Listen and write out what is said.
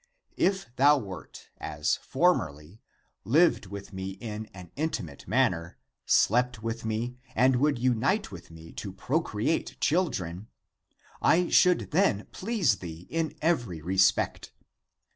If thou wert as formerly, lived with me in an intimate manner, slept with me, and would unite with me to procreate children, I should then please thee in every respect.